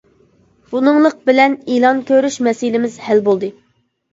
بۇنىڭلىق بىلەن ئېلان كۆرۈش مەسىلىمىز ھەل بولدى.